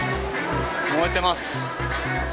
燃えてます。